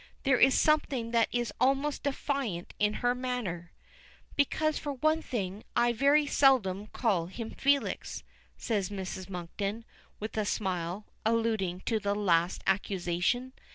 There is something that is almost defiant in her manner. "Because, for one thing, I very seldom call him Felix," says Mrs. Monkton, with a smile, alluding to the last accusation.